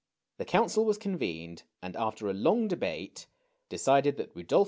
The Council was convened ; and, after a long debate, decided 245 >« 1 :5.